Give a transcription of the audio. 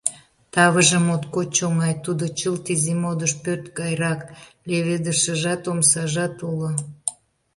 Тавыже моткоч оҥай, тудо чылт изи модыш пӧрт гайрак: леведышыжат, омсажат уло.